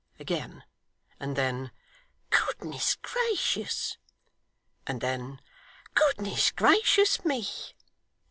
again, and then 'Goodness gracious!' and then 'Goodness gracious me!